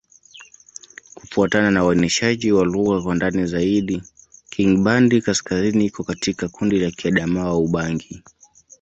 Kufuatana na uainishaji wa lugha kwa ndani zaidi, Kingbandi-Kaskazini iko katika kundi la Kiadamawa-Ubangi.